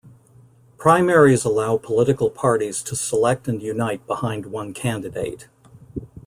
Primaries allow political parties to select and unite behind one candidate.